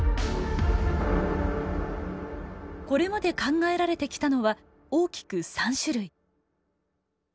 これまで考えられてきたのは大きく３種類。